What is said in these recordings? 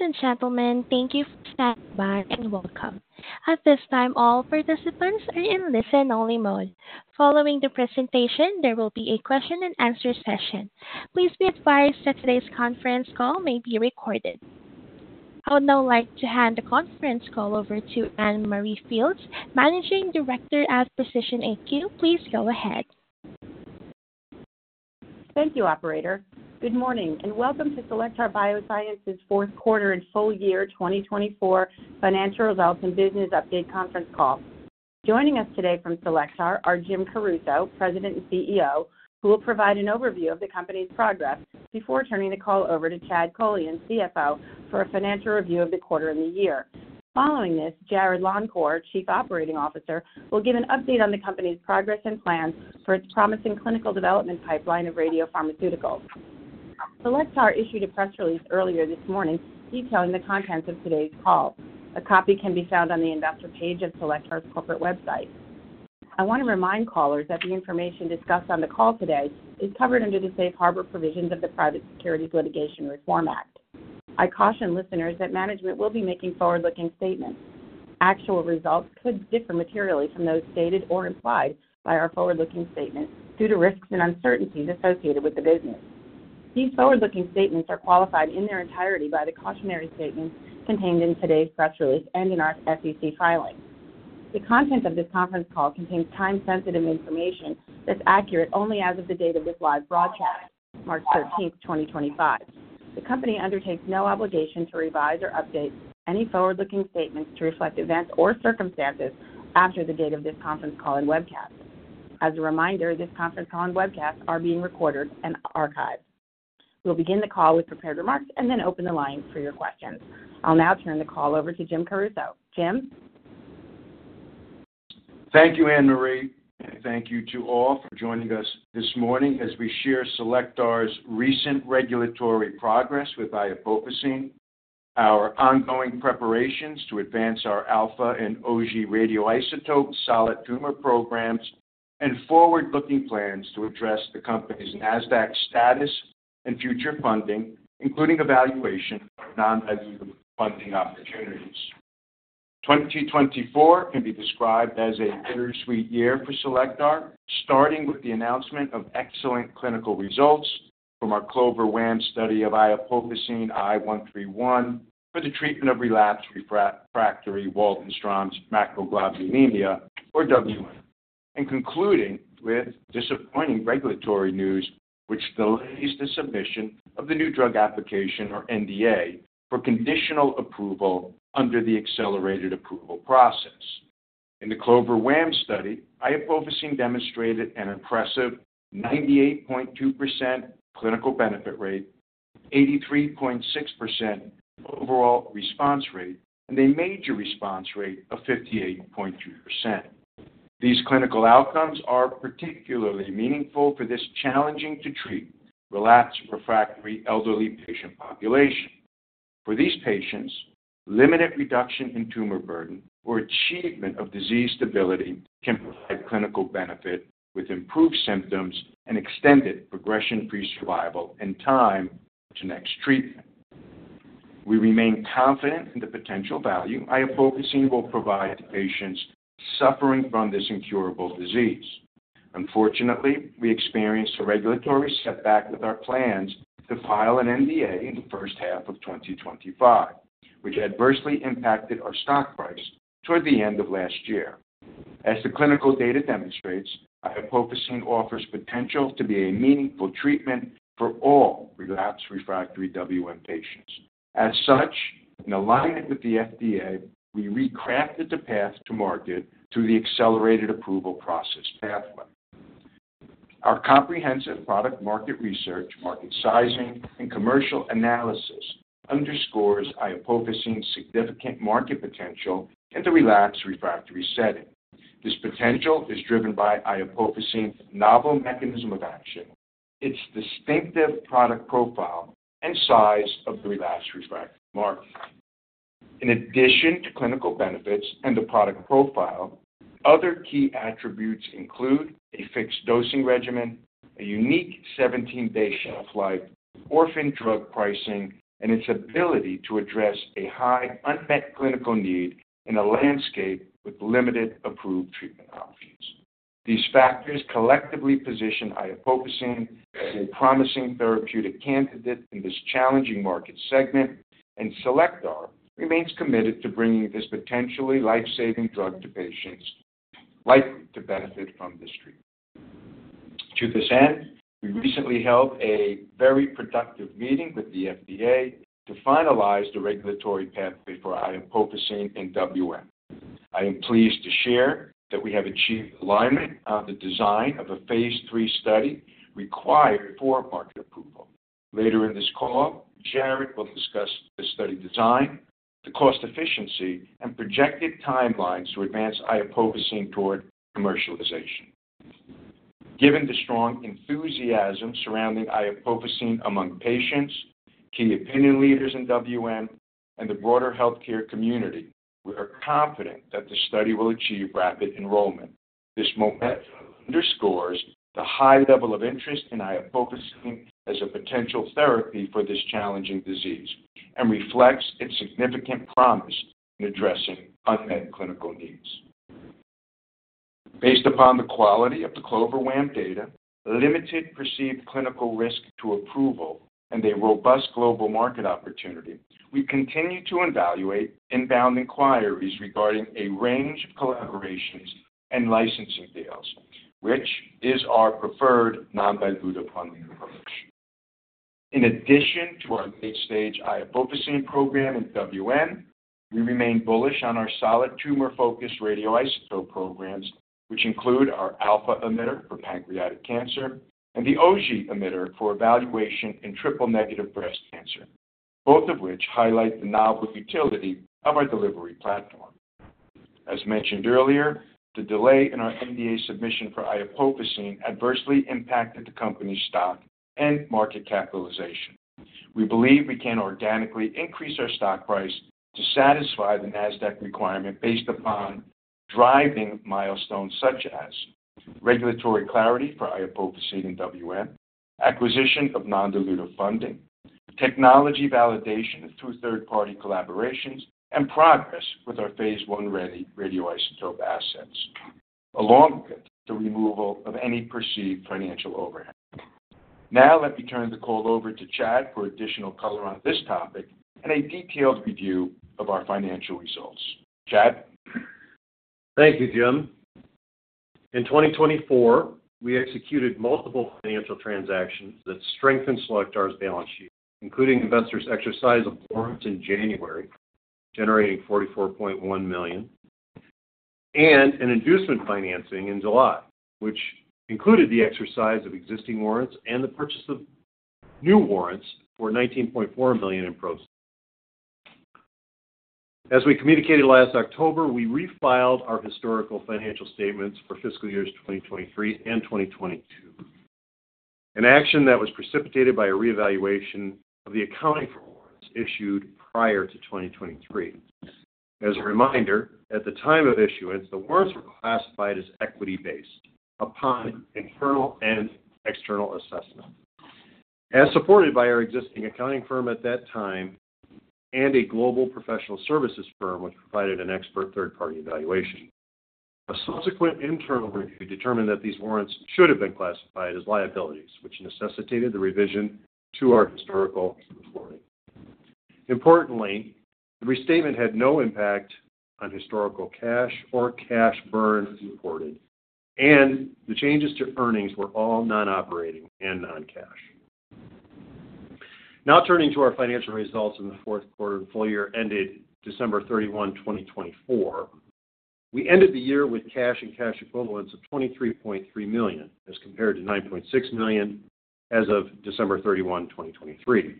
Ladies and gentlemen, thank you for standing by and welcome. At this time, all participants are in listen-only mode. Following the presentation, there will be a question-and-answer session. Please be advised that today's conference call may be recorded. I would now like to hand the conference call over to Anne Marie Fields, Managing Director at Precision AQ. Please go ahead. Thank you, Operator. Good morning and welcome to Cellectar Biosciences' fourth quarter and full year 2024 financial results and business update conference call. Joining us today from Cellectar are Jim Caruso, President and CEO, who will provide an overview of the company's progress before turning the call over to Chad Kolean, CFO, for a financial review of the quarter and the year. Following this, Jarrod Longcor, Chief Operating Officer, will give an update on the company's progress and plans for its promising clinical development pipeline of radiopharmaceuticals. Cellectar issued a press release earlier this morning detailing the contents of today's call. A copy can be found on the investor page of Cellectar's corporate website. I want to remind callers that the information discussed on the call today is covered under the safe harbor provisions of the Private Securities Litigation Reform Act. I caution listeners that management will be making forward-looking statements. Actual results could differ materially from those stated or implied by our forward-looking statements due to risks and uncertainties associated with the business. These forward-looking statements are qualified in their entirety by the cautionary statements contained in today's press release and in our SEC filing. The contents of this conference call contain time-sensitive information that's accurate only as of the date of this live broadcast, March 13th, 2025. The company undertakes no obligation to revise or update any forward-looking statements to reflect events or circumstances after the date of this conference call and webcast. As a reminder, this conference call and webcast are being recorded and archived. We'll begin the call with prepared remarks and then open the line for your questions. I'll now turn the call over to Jim Caruso. Jim? Thank you, Anne Marie, and thank you to all for joining us this morning as we share Cellectar's recent regulatory progress with iopofosine, our ongoing preparations to advance our alpha and Auger radioisotope solid tumor programs, and forward-looking plans to address the company's NASDAQ status and future funding, including evaluation of non-dilutive funding opportunities. 2024 can be described as a bittersweet year for Cellectar, starting with the announcement of excellent clinical results from our CLOVER-WaM study of iopofosine I 131 for the treatment of relapsed refractory Waldenstrom macroglobulinemia, or WM, and concluding with disappointing regulatory news, which delays the submission of the new drug application, or NDA, for conditional approval under the accelerated approval process. In the CLOVER-WaM study, iopofosine demonstrated an impressive 98.2% clinical benefit rate, 83.6% overall response rate, and a major response rate of 58.2%. These clinical outcomes are particularly meaningful for this challenging-to-treat relapsed refractory elderly patient population. For these patients, limited reduction in tumor burden or achievement of disease stability can provide clinical benefit with improved symptoms and extended progression-free survival and time to next treatment. We remain confident in the potential value iopofosine will provide to patients suffering from this incurable disease. Unfortunately, we experienced a regulatory setback with our plans to file an NDA in the first half of 2025, which adversely impacted our stock price toward the end of last year. As the clinical data demonstrates, iopofosine offers potential to be a meaningful treatment for all relapsed refractory WM patients. As such, in alignment with the FDA, we recrafted the path to market through the accelerated approval process pathway. Our comprehensive product-market research, market sizing, and commercial analysis underscores iopofosine's significant market potential in the relapsed refractory setting. This potential is driven by iopofosine's novel mechanism of action, its distinctive product profile, and size of the relapsed refractory market. In addition to clinical benefits and the product profile, other key attributes include a fixed dosing regimen, a unique 17-day shelf life, orphan drug pricing, and its ability to address a high unmet clinical need in a landscape with limited approved treatment options. These factors collectively position iopofosine as a promising therapeutic candidate in this challenging market segment, and Cellectar remains committed to bringing this potentially lifesaving drug to patients likely to benefit from this treatment. To this end, we recently held a very productive meeting with the FDA to finalize the regulatory pathway for iopofosine and WM. I am pleased to share that we have achieved alignment on the design of a Phase III study required for market approval. Later in this call, Jarrod will discuss the study design, the cost efficiency, and projected timelines to advance iopofosine toward commercialization. Given the strong enthusiasm surrounding iopofosine among patients, key opinion leaders in WM, and the broader healthcare community, we are confident that the study will achieve rapid enrollment. This moment underscores the high level of interest in iopofosine as a potential therapy for this challenging disease and reflects its significant promise in addressing unmet clinical needs. Based upon the quality of the CLOVER-WaM data, limited perceived clinical risk to approval, and a robust global market opportunity, we continue to evaluate inbound inquiries regarding a range of collaborations and licensing deals, which is our preferred non-dilutive funding approach. In addition to our late-stage iopofosine program in WM, we remain bullish on our solid tumor-focused radioisotope programs, which include our alpha emitter for pancreatic cancer and the Auger emitter for evaluation in triple-negative breast cancer, both of which highlight the novel utility of our delivery platform. As mentioned earlier, the delay in our NDA submission for iopofosine adversely impacted the company's stock and market capitalization. We believe we can organically increase our stock price to satisfy the NASDAQ requirement based upon driving milestones such as regulatory clarity for iopofosine in WM, acquisition of non-dilutive funding, technology validation through third-party collaborations, and progress with our Phase I ready radioisotope assets, along with the removal of any perceived financial overhead. Now, let me turn the call over to Chad for additional color on this topic and a detailed review of our financial results. Chad? Thank you, Jim. In 2024, we executed multiple financial transactions that strengthened Cellectar's balance sheet, including investors' exercise of warrants in January, generating $44.1 million, and an inducement financing in July, which included the exercise of existing warrants and the purchase of new warrants for $19.4 million in proceeds. As we communicated last October, we refiled our historical financial statements for fiscal years 2023 and 2022, an action that was precipitated by a reevaluation of the accounting for warrants issued prior to 2023. As a reminder, at the time of issuance, the warrants were classified as equity-based upon internal and external assessment, as supported by our existing accounting firm at that time and a global professional services firm, which provided an expert third-party evaluation. A subsequent internal review determined that these warrants should have been classified as liabilities, which necessitated the revision to our historical reporting. Importantly, the restatement had no impact on historical cash or cash burns reported, and the changes to earnings were all non-operating and non-cash. Now turning to our financial results in the fourth quarter and full year ended December 31, 2024, we ended the year with cash and cash equivalents of $23.3 million as compared to $9.6 million as of December 31, 2023.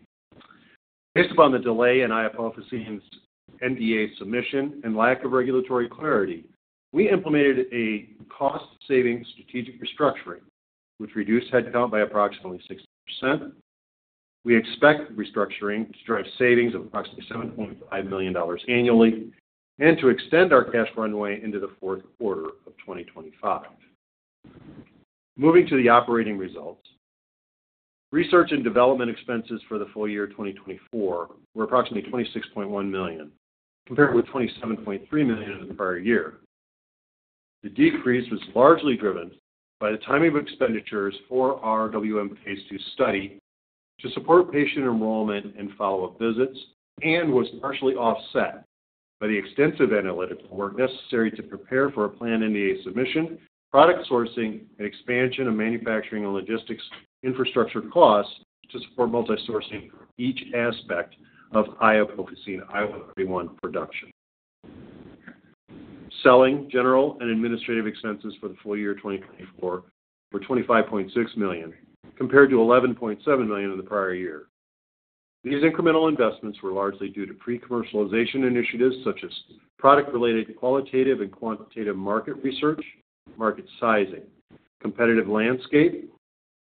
Based upon the delay in iopofosine's NDA submission and lack of regulatory clarity, we implemented a cost-saving strategic restructuring, which reduced headcount by approximately 60%. We expect restructuring to drive savings of approximately $7.5 million annually and to extend our cash runway into the fourth quarter of 2025. Moving to the operating results, research and development expenses for the full year 2024 were approximately $26.1 million, compared with $27.3 million in the prior year. The decrease was largely driven by the timing of expenditures for Phase II study to support patient enrollment and follow-up visits and was partially offset by the extensive analytics work necessary to prepare for a planned NDA submission, product sourcing, and expansion of manufacturing and logistics infrastructure costs to support multi-sourcing for each aspect of iopofosine I 131 production. Selling, general, and administrative expenses for the full year 2024 were $25.6 million, compared to $11.7 million in the prior year. These incremental investments were largely due to pre-commercialization initiatives such as product-related qualitative and quantitative market research, market sizing, competitive landscape,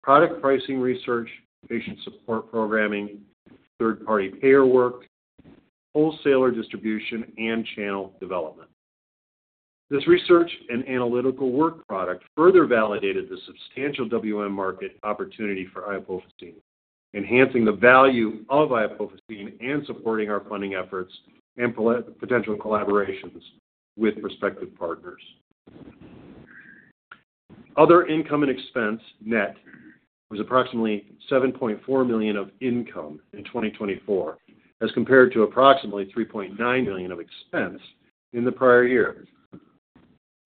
product pricing research, patient support programming, third-party payer work, wholesaler distribution, and channel development. This research and analytical work product further validated the substantial WM market opportunity for iopofosine, enhancing the value of iopofosine and supporting our funding efforts and potential collaborations with prospective partners. Other income and expense net was approximately $7.4 million of income in 2024, as compared to approximately $3.9 million of expense in the prior year.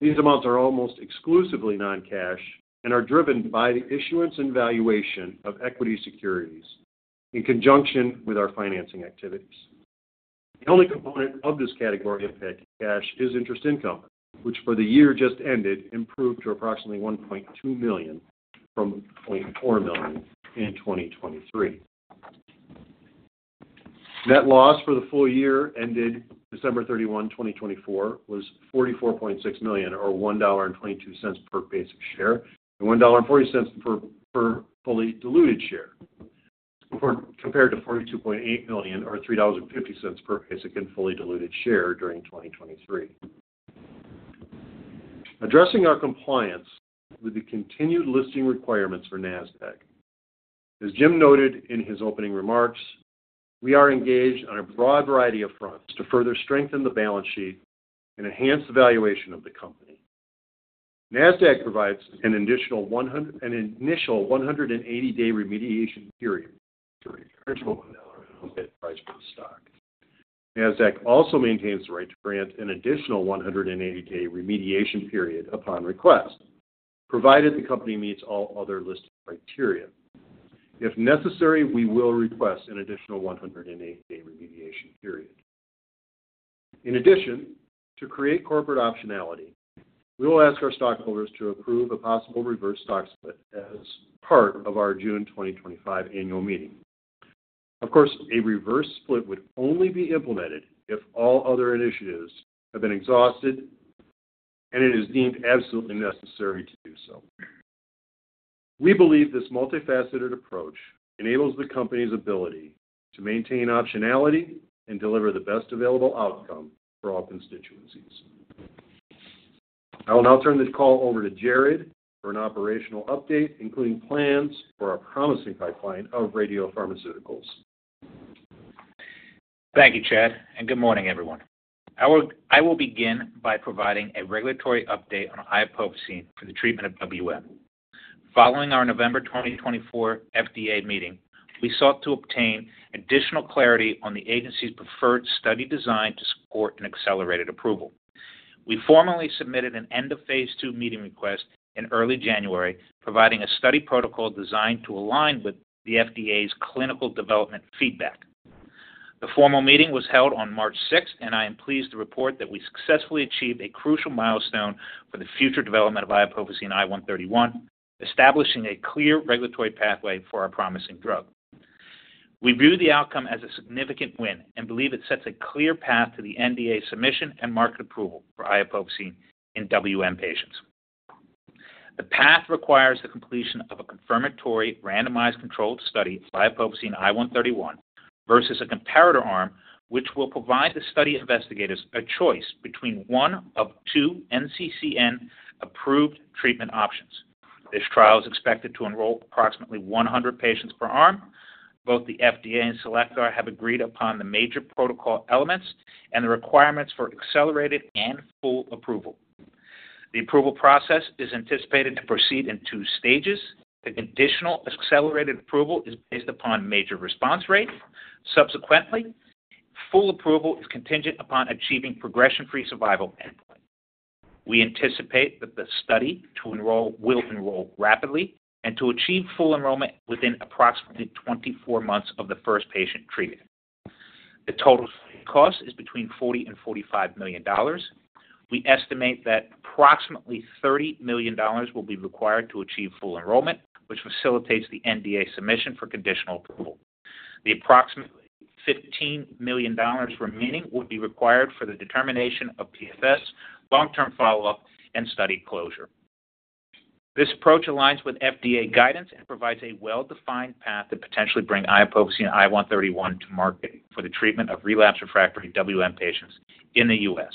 These amounts are almost exclusively non-cash and are driven by the issuance and valuation of equity securities in conjunction with our financing activities. The only component of this category of cash is interest income, which for the year just ended improved to approximately $1.2 million from $0.4 million in 2023. Net loss for the full year ended December 31, 2024, was $44.6 million, or $1.22 per basic share, and $1.40 per fully diluted share, compared to $42.8 million, or $3.50 per basic and fully diluted share during 2023. Addressing our compliance with the continued listing requirements for NASDAQ, as Jim noted in his opening remarks, we are engaged on a broad variety of fronts to further strengthen the balance sheet and enhance the valuation of the company. NASDAQ provides an initial 180-day remediation period to reimburse for the selling of the unmet price for the stock. NASDAQ also maintains the right to grant an additional 180-day remediation period upon request, provided the company meets all other listing criteria. If necessary, we will request an additional 180-day remediation period. In addition, to create corporate optionality, we will ask our stockholders to approve a possible reverse stock split as part of our June 2025 annual meeting. Of course, a reverse split would only be implemented if all other initiatives have been exhausted, and it is deemed absolutely necessary to do so. We believe this multifaceted approach enables the company's ability to maintain optionality and deliver the best available outcome for all constituencies. I will now turn the call over to Jarrod for an operational update, including plans for our promising pipeline of radiopharmaceuticals. Thank you, Chad, and good morning, everyone. I will begin by providing a regulatory update on iopofosine for the treatment of WM. Following our November 2024 FDA meeting, we sought to obtain additional clarity on the agency's preferred study design to support an accelerated approval. We formally end-of-Phase II meeting request in early January, providing a study protocol designed to align with the FDA's clinical development feedback. The formal meeting was held on March 6, and I am pleased to report that we successfully achieved a crucial milestone for the future development of iopofosine I 131, establishing a clear regulatory pathway for our promising drug. We view the outcome as a significant win and believe it sets a clear path to the NDA submission and market approval for iopofosine in WM patients. The path requires the completion of a confirmatory randomized controlled study of iopofosine I 131 versus a comparator arm, which will provide the study investigators a choice between one of two NCCN-approved treatment options. This trial is expected to enroll approximately 100 patients per arm. Both the FDA and Cellectar have agreed upon the major protocol elements and the requirements for accelerated and full approval. The approval process is anticipated to proceed in two stages. The conditional accelerated approval is based upon major response rate. Subsequently, full approval is contingent upon achieving progression-free survival endpoint. We anticipate that the study will enroll rapidly and to achieve full enrollment within approximately 24 months of the first patient treated. The total cost is between $40 million-$45 million. We estimate that approximately $30 million will be required to achieve full enrollment, which facilitates the NDA submission for conditional approval. The approximately $15 million remaining will be required for the determination of PFS, long-term follow-up, and study closure. This approach aligns with FDA guidance and provides a well-defined path to potentially bring iopofosine I 131 to market for the treatment of relapsed refractory WM patients in the U.S.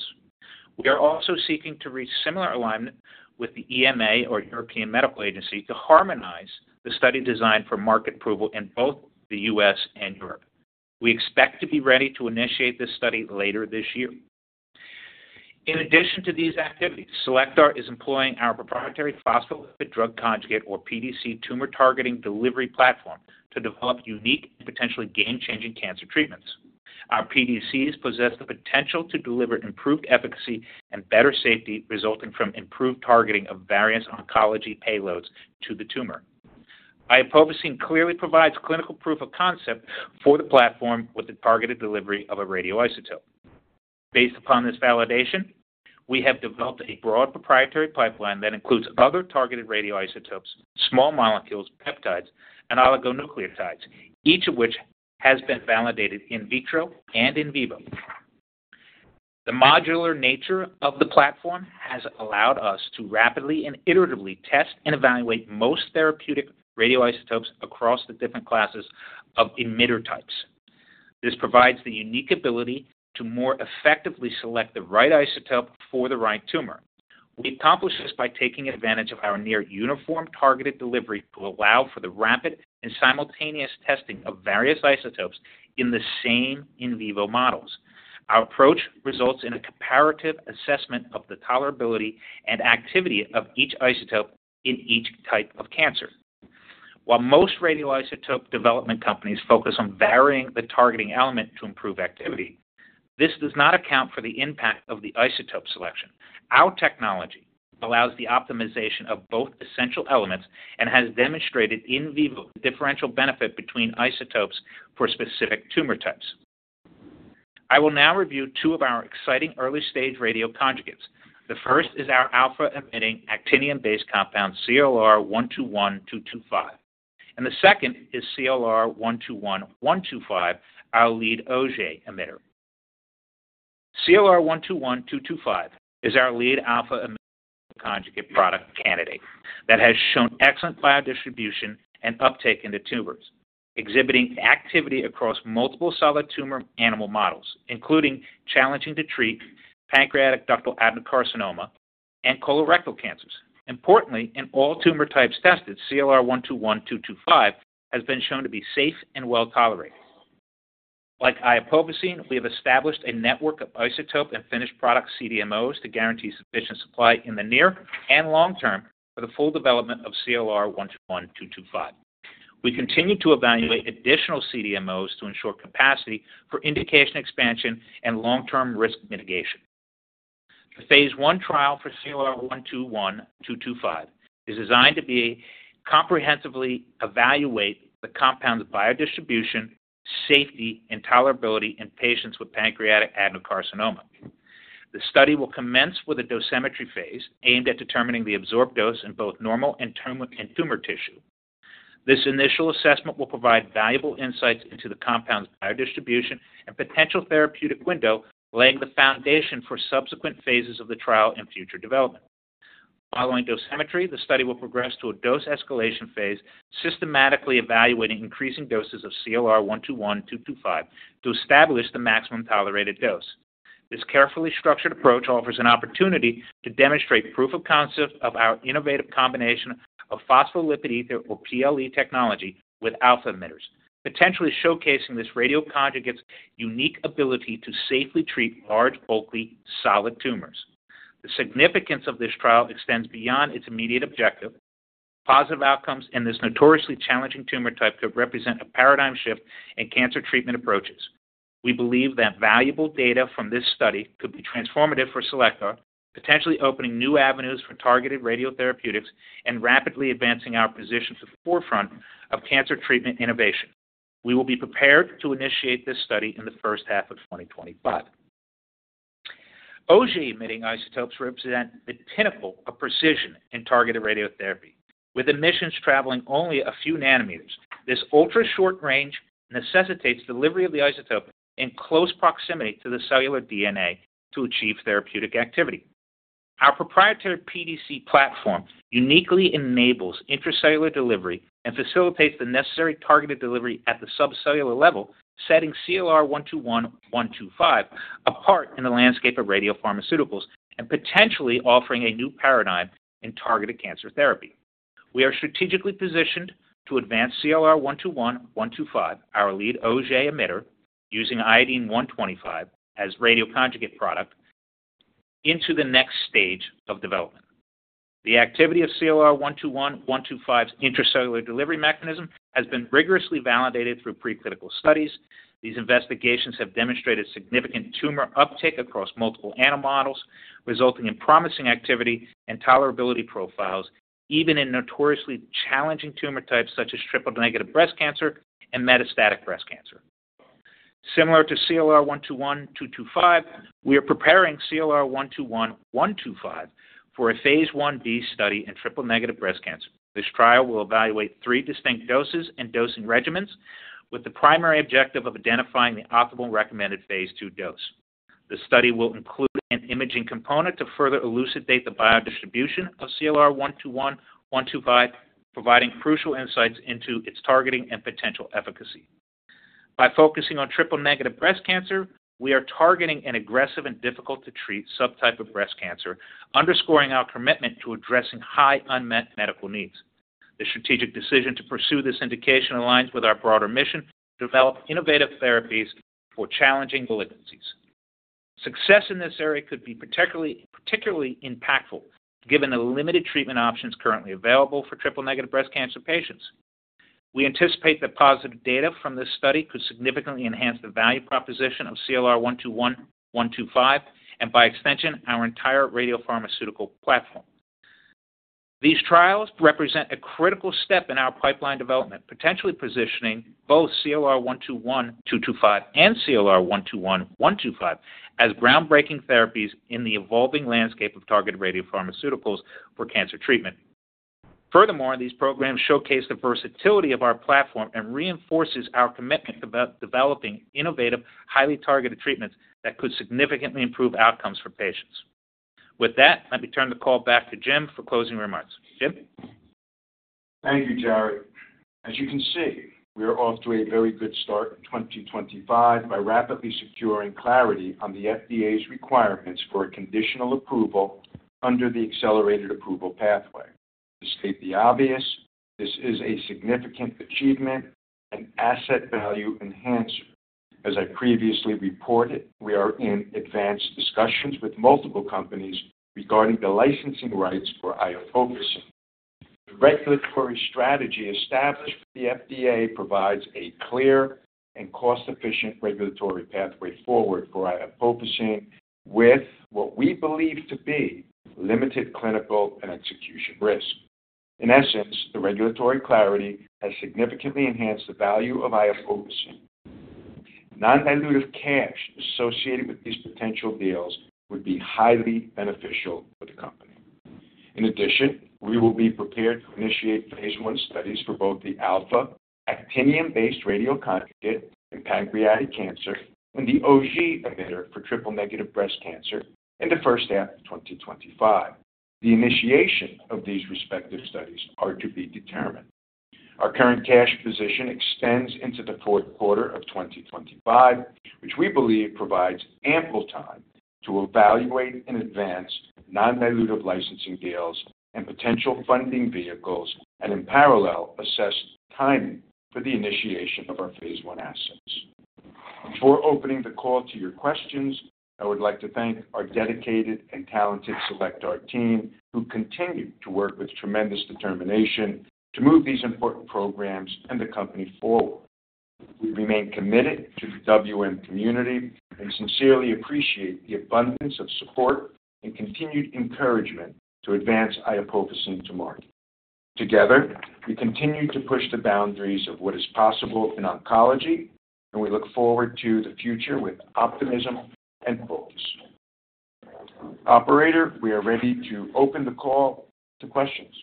We are also seeking to reach similar alignment with the EMA, or European Medicines Agency, to harmonize the study design for market approval in both the U.S. and Europe. We expect to be ready to initiate this study later this year. In addition to these activities, Cellectar is employing our proprietary phospholipid drug conjugate, or PDC, tumor-targeting delivery platform to develop unique and potentially game-changing cancer treatments. Our PDCs possess the potential to deliver improved efficacy and better safety resulting from improved targeting of various oncology payloads to the tumor. Iopofosine clearly provides clinical proof of concept for the platform with the targeted delivery of a radioisotope. Based upon this validation, we have developed a broad proprietary pipeline that includes other targeted radioisotopes, small molecules, peptides, and oligonucleotides, each of which has been validated in vitro and in vivo. The modular nature of the platform has allowed us to rapidly and iteratively test and evaluate most therapeutic radioisotopes across the different classes of emitter types. This provides the unique ability to more effectively select the right isotope for the right tumor. We accomplish this by taking advantage of our near-uniform targeted delivery to allow for the rapid and simultaneous testing of various isotopes in the same in vivo models. Our approach results in a comparative assessment of the tolerability and activity of each isotope in each type of cancer. While most radioisotope development companies focus on varying the targeting element to improve activity, this does not account for the impact of the isotope selection. Our technology allows the optimization of both essential elements and has demonstrated in vivo the differential benefit between isotopes for specific tumor types. I will now review two of our exciting early-stage radioconjugates. The first is our alpha-emitting actinium-based compound, CLR 121225, and the second is CLR 121125, our lead Auger emitter. CLR 121225 is our lead alpha-emitting conjugate product candidate that has shown excellent biodistribution and uptake into tumors, exhibiting activity across multiple solid tumor animal models, including challenging to treat pancreatic ductal adenocarcinoma and colorectal cancers. Importantly, in all tumor types tested, CLR 121225 has been shown to be safe and well-tolerated. Like iopofosine, we have established a network of isotope and finished product CDMOs to guarantee sufficient supply in the near and long term for the full development of CLR 121225. We continue to evaluate additional CDMOs to ensure capacity for indication expansion and long-term risk mitigation. The Phase I trial for CLR 121225 is designed to comprehensively evaluate the compound's biodistribution, safety, and tolerability in patients with pancreatic ductal adenocarcinoma. The study will commence with a dosimetry phase aimed at determining the absorbed dose in both normal and tumor tissue. This initial assessment will provide valuable insights into the compound's biodistribution and potential therapeutic window, laying the foundation for subsequent phases of the trial and future development. Following dosimetry, the study will progress to a dose escalation phase, systematically evaluating increasing doses of CLR 121225 to establish the maximum tolerated dose. This carefully structured approach offers an opportunity to demonstrate proof of concept of our innovative combination of phospholipid ether, or PLE, technology with alpha emitters, potentially showcasing this radioconjugate's unique ability to safely treat large, bulky solid tumors. The significance of this trial extends beyond its immediate objective. Positive outcomes in this notoriously challenging tumor type could represent a paradigm shift in cancer treatment approaches. We believe that valuable data from this study could be transformative for Cellectar, potentially opening new avenues for targeted radiotherapeutics and rapidly advancing our position to the forefront of cancer treatment innovation. We will be prepared to initiate this study in the first half of 2025. Auger-emitting isotopes represent the pinnacle of precision in targeted radiotherapy. With emissions traveling only a few nanometers, this ultra-short range necessitates delivery of the isotope in close proximity to the cellular DNA to achieve therapeutic activity. Our proprietary PDC platform uniquely enables intracellular delivery and facilitates the necessary targeted delivery at the subcellular level, setting CLR 121125 apart in the landscape of radiopharmaceuticals and potentially offering a new paradigm in targeted cancer therapy. We are strategically positioned to advance CLR 121125, our lead Auger emitter, using iodine-125 as radioconjugate product, into the next stage of development. The activity of CLR 121125's intracellular delivery mechanism has been rigorously validated through preclinical studies. These investigations have demonstrated significant tumor uptake across multiple animal models, resulting in promising activity and tolerability profiles, even in notoriously challenging tumor types such as triple-negative breast cancer and metastatic breast cancer. Similar to CLR 121225, we are preparing CLR 121125 for a Phase Ib study in triple-negative breast cancer. This trial will evaluate three distinct doses and dosing regimens with the primary objective of identifying the optimal Phase II dose. The study will include an imaging component to further elucidate the biodistribution of CLR 121125, providing crucial insights into its targeting and potential efficacy. By focusing on triple-negative breast cancer, we are targeting an aggressive and difficult-to-treat subtype of breast cancer, underscoring our commitment to addressing high unmet medical needs. The strategic decision to pursue this indication aligns with our broader mission to develop innovative therapies for challenging malignancies. Success in this area could be particularly impactful given the limited treatment options currently available for triple-negative breast cancer patients. We anticipate that positive data from this study could significantly enhance the value proposition of CLR 121125 and, by extension, our entire radiopharmaceutical platform. These trials represent a critical step in our pipeline development, potentially positioning both CLR 121225 and CLR 121125 as groundbreaking therapies in the evolving landscape of targeted radiopharmaceuticals for cancer treatment. Furthermore, these programs showcase the versatility of our platform and reinforce our commitment to developing innovative, highly targeted treatments that could significantly improve outcomes for patients. With that, let me turn the call back to Jim for closing remarks. Jim? Thank you, Jarrod. As you can see, we are off to a very good start in 2025 by rapidly securing clarity on the FDA's requirements for a conditional approval under the accelerated approval pathway. To state the obvious, this is a significant achievement and asset value enhancer. As I previously reported, we are in advanced discussions with multiple companies regarding the licensing rights for iopofosine. The regulatory strategy established by the FDA provides a clear and cost-efficient regulatory pathway forward for iopofosine with what we believe to be limited clinical and execution risk. In essence, the regulatory clarity has significantly enhanced the value of iopofosine. Non-dilutive cash associated with these potential deals would be highly beneficial for the company. In addition, we will be prepared to initiate Phase I studies for both the alpha-actinium-based radioconjugate in pancreatic cancer and the Auger emitter for triple-negative breast cancer in the first half of 2025. The initiation of these respective studies is to be determined. Our current cash position extends into the fourth quarter of 2025, which we believe provides ample time to evaluate and advance non-dilutive licensing deals and potential funding vehicles and, in parallel, assess timing for the initiation of our Phase I assets. Before opening the call to your questions, I would like to thank our dedicated and talented Cellectar team who continue to work with tremendous determination to move these important programs and the company forward. We remain committed to the WM community and sincerely appreciate the abundance of support and continued encouragement to advance iopofosine to market. Together, we continue to push the boundaries of what is possible in oncology, and we look forward to the future with optimism and focus. Operator, we are ready to open the call to questions.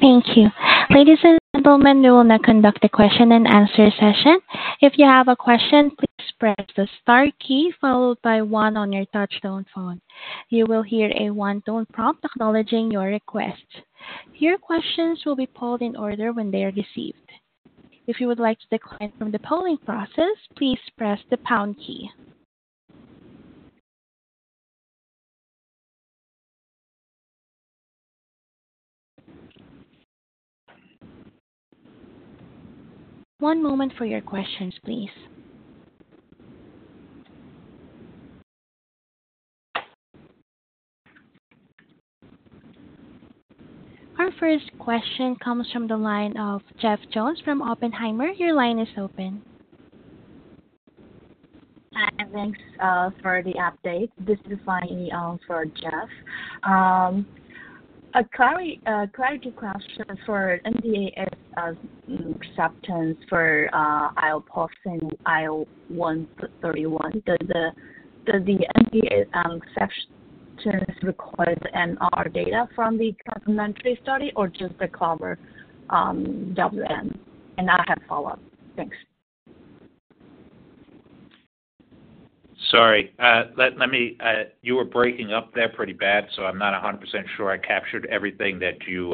Thank you. Ladies and gentlemen, we will now conduct a question-and-answer session. If you have a question, please press the star key followed by one on your touch-tone phone. You will hear a one-tone prompt acknowledging your request. Your questions will be polled in order when they are received. If you would like to decline from the polling process, please press the pound key. One moment for your questions, please. Our first question comes from the line of Jeff Jones from Oppenheimer. Your line is open. Hi, thanks for the update. This is [Name] for Jeff. A clarity question for NDA acceptance for iopofosine I 131. Does the NDA acceptance require MR data from the complementary study or just the CLOVER-WaM? I have follow-up. Thanks. Sorry. You were breaking up there pretty bad, so I'm not 100% sure I captured everything that you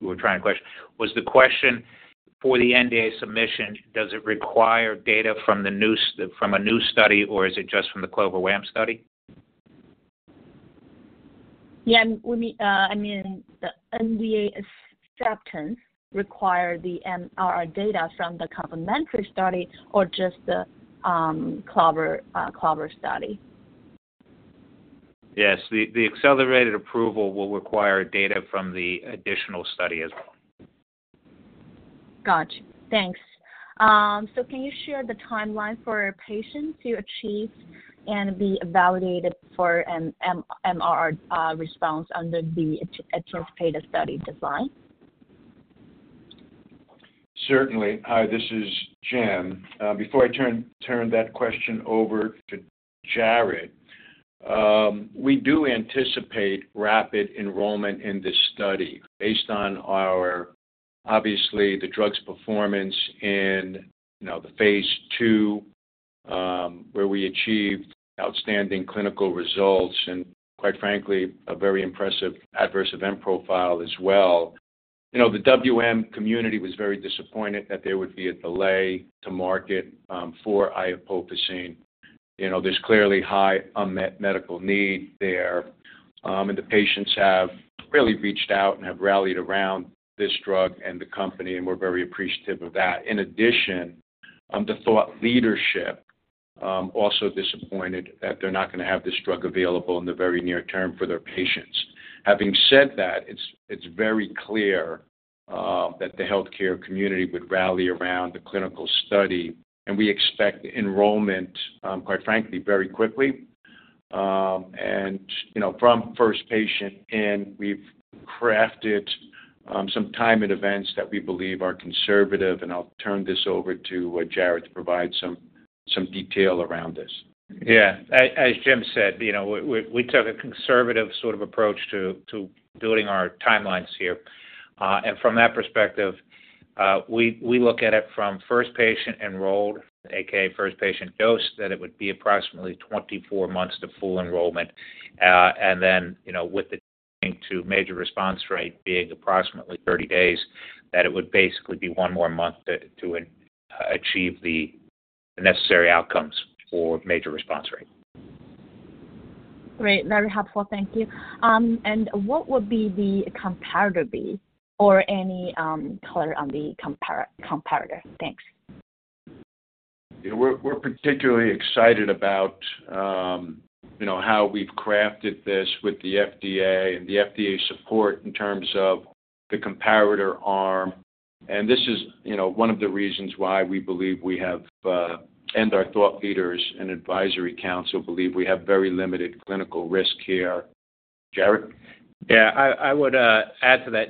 were trying to question. Was the question for the NDA submission, does it require data from a new study or is it just from the CLOVER-WaM study? Yeah, I mean, the NDA acceptance requires the MR data from the complementary study or just the CLOVER study? Yes, the accelerated approval will require data from the additional study as well. Gotcha. Thanks. Can you share the timeline for patients to achieve and be evaluated for an MR response under the anticipated study design? Certainly. Hi, this is Jim. Before I turn that question over to Jarrod, we do anticipate rapid enrollment in this study based on, obviously, the drug's performance in Phase II where we achieved outstanding clinical results and, quite frankly, a very impressive adverse event profile as well. The WM community was very disappointed that there would be a delay to market for iopofosine. There's clearly high unmet medical need there, and the patients have really reached out and have rallied around this drug and the company, and we're very appreciative of that. In addition, the thought leadership also disappointed that they're not going to have this drug available in the very near term for their patients. Having said that, it's very clear that the healthcare community would rally around the clinical study, and we expect enrollment, quite frankly, very quickly. From first patient in, we've crafted some timing events that we believe are conservative, and I'll turn this over to Jarrod to provide some detail around this. Yeah. As Jim said, we took a conservative sort of approach to building our timelines here. From that perspective, we look at it from first patient enrolled, a.k.a. first patient dose, that it would be approximately 24 months to full enrollment. With the change to major response rate being approximately 30 days, it would basically be one more month to achieve the necessary outcomes for major response rate. Great. Very helpful. Thank you. What would the comparator be or any color on the comparator? Thanks. We're particularly excited about how we've crafted this with the FDA and the FDA support in terms of the comparator arm. This is one of the reasons why we believe we have—and our thought leaders and advisory council believe we have—very limited clinical risk here. Jarrod? Yeah, I would add to that.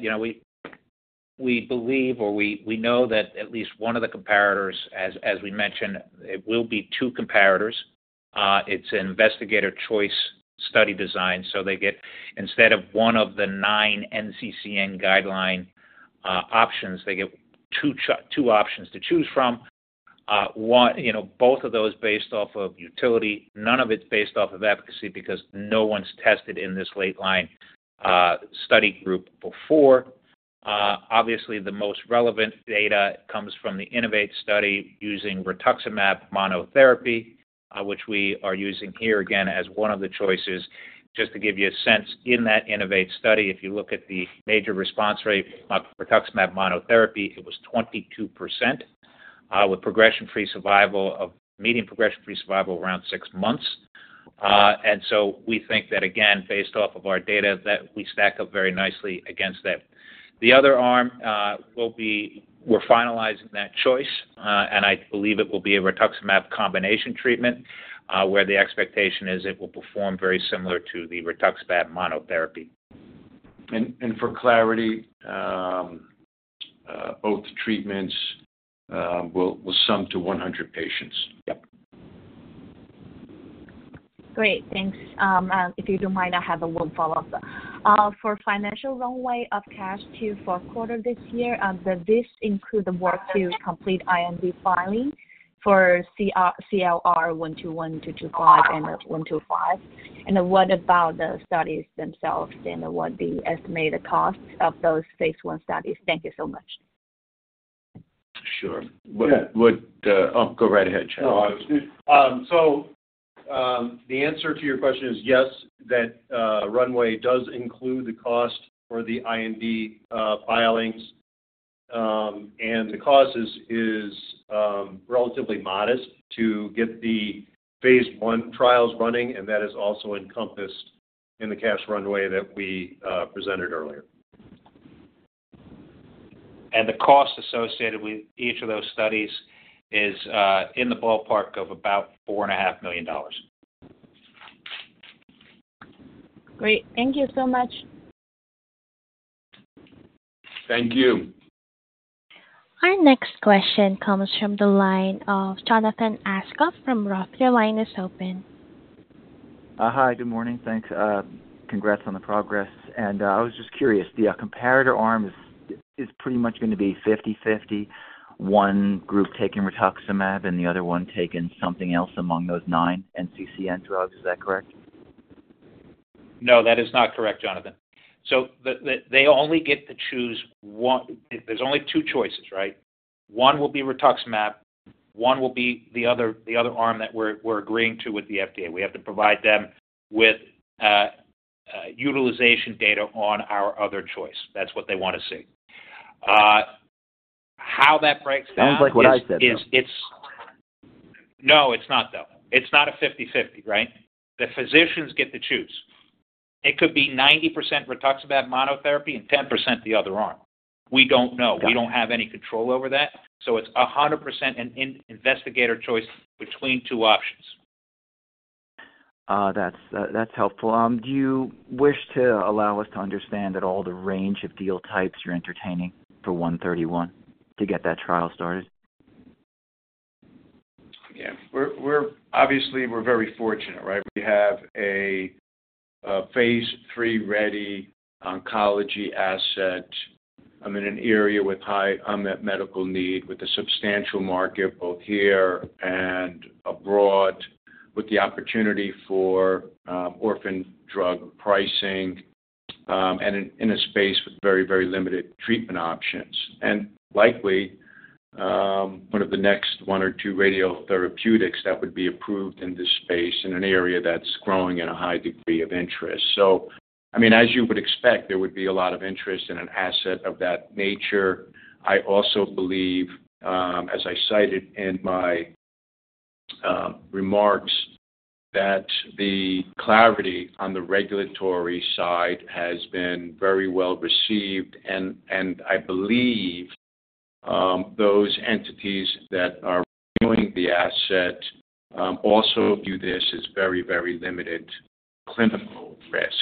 We believe or we know that at least one of the comparators, as we mentioned, it will be two comparators. It's an investigator choice study design, so they get instead of one of the nine NCCN guideline options, they get two options to choose from. Both of those based off of utility. None of it's based off of efficacy because no one's tested in this late-line study group before. Obviously, the most relevant data comes from the INNOVATE study using rituximab monotherapy, which we are using here again as one of the choices. Just to give you a sense, in that INNOVATE study, if you look at the major response rate of rituximab monotherapy, it was 22% with progression-free survival of meeting progression-free survival around six months. We think that, again, based off of our data that we stack up very nicely against that. The other arm, we're finalizing that choice, and I believe it will be a rituximab combination treatment where the expectation is it will perform very similar to the rituximab monotherapy. For clarity, both treatments will sum to 100 patients. Yep. Great. Thanks. If you don't mind, I have one follow-up. For financial runway of cash to fourth quarter this year, does this include the work to complete IND filing for CLR 121225 and 125? What about the studies themselves? What is the estimated cost of those Phase I studies? Thank you so much. Sure. Go right ahead, Jarrod. The answer to your question is yes, that runway does include the cost for the IND filings. The cost is relatively modest to get the Phase I trials running, and that is also encompassed in the cash runway that we presented earlier. The cost associated with each of those studies is in the ballpark of about $4.5 million. Great. Thank you so much. Thank you. Our next question comes from the line of Jonathan Aschoff from ROTH. Your line is open. Hi, good morning. Thanks. Congrats on the progress. I was just curious, the comparator arm is pretty much going to be 50/50, one group taking rituximab and the other one taking something else among those nine NCCN drugs. Is that correct? No, that is not correct, Jonathan. They only get to choose one. There are only two choices, right? One will be rituximab, one will be the other arm that we are agreeing to with the FDA. We have to provide them with utilization data on our other choice. That is what they want to see. How that breaks down. Sounds like what I said. No, it's not though. It's not a 50/50, right? The physicians get to choose. It could be 90% rituximab monotherapy and 10% the other arm. We don't know. We don't have any control over that. It's 100% an investigator choice between two options. That's helpful. Do you wish to allow us to understand at all the range of deal types you're entertaining for 131 to get that trial started? Yeah. Obviously, we're very fortunate, right? We have a Phase III-ready oncology asset in an area with high unmet medical need with a substantial market both here and abroad with the opportunity for orphan drug pricing and in a space with very, very limited treatment options. Likely, one of the next one or two radiotherapeutics that would be approved in this space in an area that's growing in a high degree of interest. I mean, as you would expect, there would be a lot of interest in an asset of that nature. I also believe, as I cited in my remarks, that the clarity on the regulatory side has been very well received. I believe those entities that are viewing the asset also view this as very, very limited clinical risk.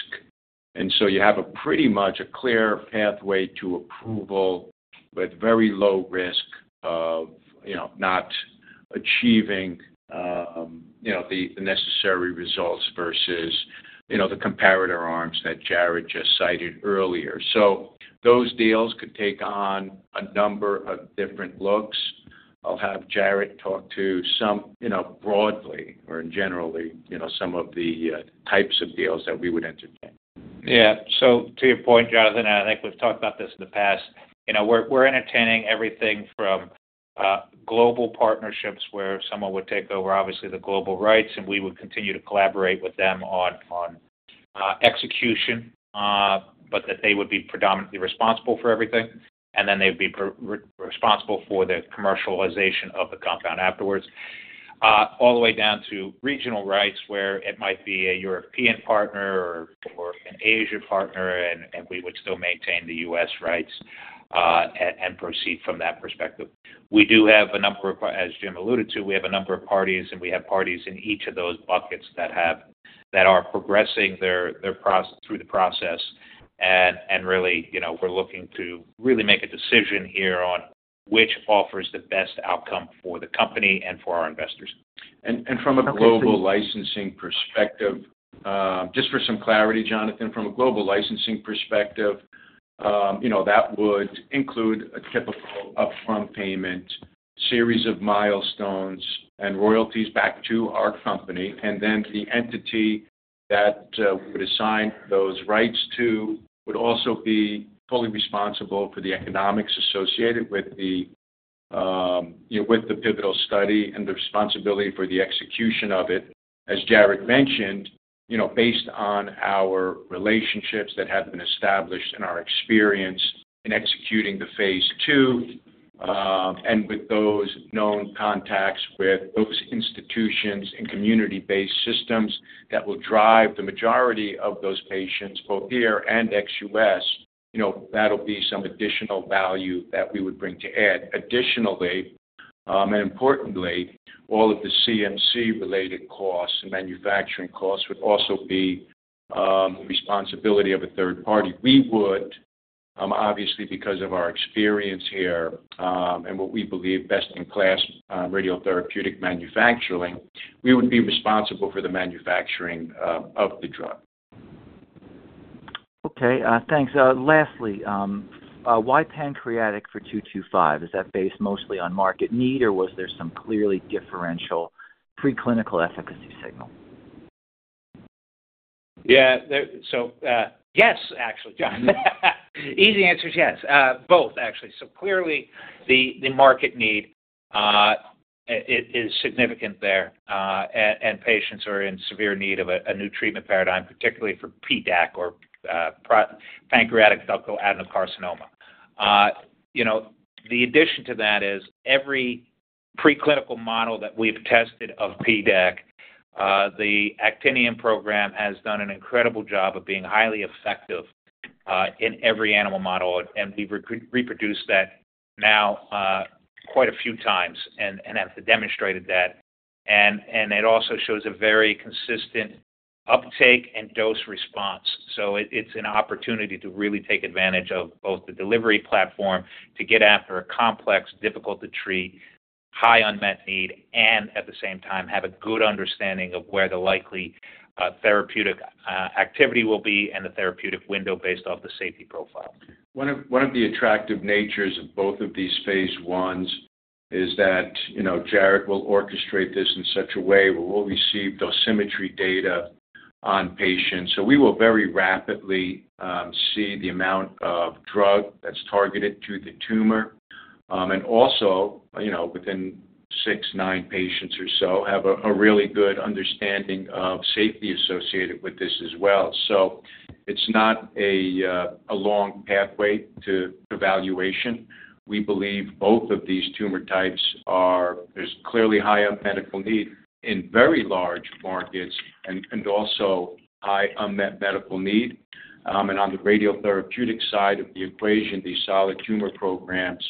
You have pretty much a clear pathway to approval with very low risk of not achieving the necessary results versus the comparator arms that Jarrod just cited earlier. Those deals could take on a number of different looks. I'll have Jarrod talk to some broadly or generally some of the types of deals that we would entertain. Yeah. To your point, Jonathan, and I think we've talked about this in the past, we're entertaining everything from global partnerships where someone would take over, obviously, the global rights, and we would continue to collaborate with them on execution, but that they would be predominantly responsible for everything. They would be responsible for the commercialization of the compound afterwards, all the way down to regional rights where it might be a European partner or an Asia partner, and we would still maintain the U.S. rights and proceed from that perspective. We do have a number of, as Jim alluded to, we have a number of parties, and we have parties in each of those buckets that are progressing through the process. Really, we're looking to really make a decision here on which offers the best outcome for the company and for our investors. From a global licensing perspective, just for some clarity, Jonathan, from a global licensing perspective, that would include a typical upfront payment, series of milestones, and royalties back to our company. The entity that would assign those rights to would also be fully responsible for the economics associated with the pivotal study and the responsibility for the execution of it. As Jarrod mentioned, based on our relationships that have been established and our experience in Phase II and with those known contacts with those institutions and community-based systems that will drive the majority of those patients both here and ex-U.S., that'll be some additional value that we would bring to add. Additionally, and importantly, all of the CMC-related costs and manufacturing costs would also be responsibility of a third party. We would, obviously, because of our experience here and what we believe best-in-class radiotherapeutic manufacturing, we would be responsible for the manufacturing of the drug. Okay. Thanks. Lastly, why pancreatic for 225? Is that based mostly on market need, or was there some clearly differential preclinical efficacy signal? Yeah. So yes, actually, Jonathan. Easy answer is yes. Both, actually. Clearly, the market need is significant there, and patients are in severe need of a new treatment paradigm, particularly for PDAC or pancreatic ductal adenocarcinoma. The addition to that is every preclinical model that we've tested of PDAC, the Actinium program has done an incredible job of being highly effective in every animal model. We've reproduced that now quite a few times and have demonstrated that. It also shows a very consistent uptake and dose response. It is an opportunity to really take advantage of both the delivery platform to get after a complex, difficult-to-treat, high unmet need, and at the same time, have a good understanding of where the likely therapeutic activity will be and the therapeutic window based off the safety profile. One of the attractive natures of both of these Phase I is that Jarrod will orchestrate this in such a way where we'll receive dosimetry data on patients. We will very rapidly see the amount of drug that's targeted to the tumor and also, within six, nine patients or so, have a really good understanding of safety associated with this as well. It is not a long pathway to evaluation. We believe both of these tumor types are clearly high unmet medical need in very large markets and also high unmet medical need. On the radiotherapeutic side of the equation, the solid tumor programs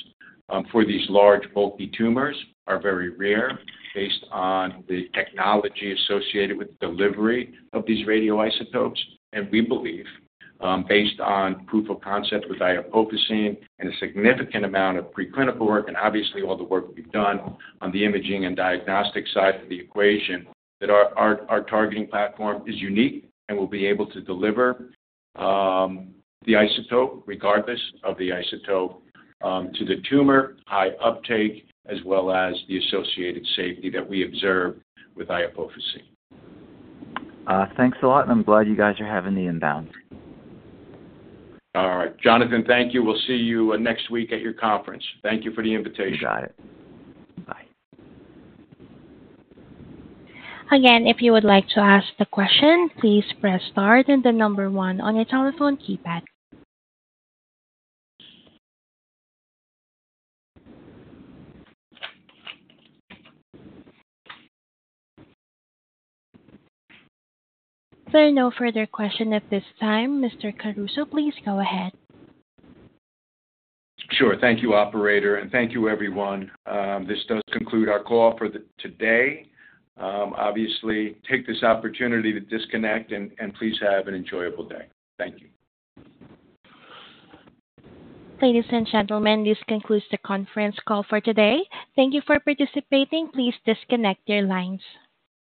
for these large bulky tumors are very rare based on the technology associated with the delivery of these radioisotopes. We believe, based on proof of concept with iopofosine and a significant amount of preclinical work and obviously all the work we've done on the imaging and diagnostic side of the equation, that our targeting platform is unique and will be able to deliver the isotope, regardless of the isotope, to the tumor, high uptake, as well as the associated safety that we observe with iopofosine. Thanks a lot. I'm glad you guys are having the inbound. All right. Jonathan, thank you. We'll see you next week at your conference. Thank you for the invitation. You got it. Bye. Again, if you would like to ask the question, please press star and the number one on your telephone keypad. There are no further questions at this time. Mr. Caruso, please go ahead. Sure. Thank you, operator. Thank you, everyone. This does conclude our call for today. Obviously, take this opportunity to disconnect and please have an enjoyable day. Thank you. Ladies and gentlemen, this concludes the conference call for today. Thank you for participating. Please disconnect your lines.